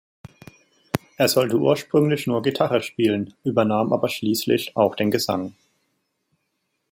Er sollte ursprünglich nur Gitarre spielen, übernahm aber schließlich auch den Gesang.